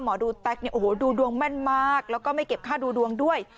หมอดูแต๊กดูดวงแม่นมากแล้วก็ไม่เก็บค่าดูดวงด้วย